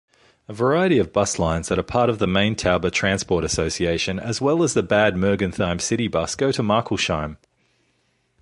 A variety of bus lines that are part of the Main-Tauber transport association as well as the Bad Mergentheim city bus go to Markelsheim.